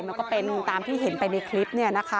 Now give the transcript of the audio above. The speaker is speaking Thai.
อ่าอ่าอ่าอ่าอ่าอ่าอ่าอ่าอ่า